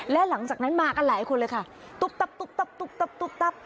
และหลังจากนั้นมากันหลายคนเลยค่ะตุ๊บตับตุ๊บตับตุ๊บตับตุ๊บตับ